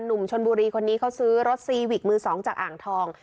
หนุ่มชนบุรีคนนี้เขาซื้อรถซีวิกมือสองจากอ่างทอง